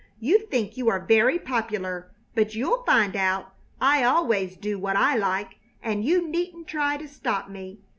You think you are very popular, but you'll find out I always do what I like, and you needn't try to stop me.